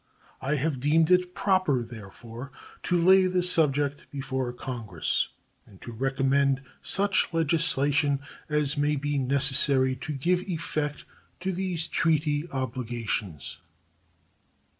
I have deemed it proper, therefore, to lay the subject before Congress and to recommend such legislation as may be necessary to give effect to these treaty obligations.